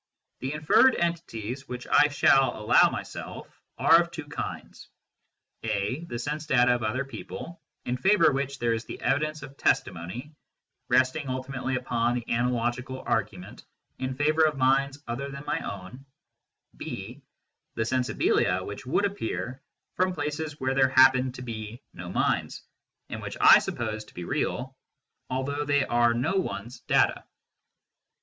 The inferred entities which I shall allow myself are of two kinds : (a) the sense data of other people, in favour of which there is the evidence of testimony, resting ulti mately upon the analogical argument in favour of minds other than my own ; (b) the " sensibilia " which would appear from places where there happen to be no minds, and which I suppose to be real although they are no one s 158 MYSTICISM AND LOGIC data.